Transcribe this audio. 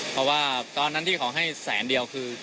เพราะว่าตอนนั้นที่เขาให้แสนเดียวคือ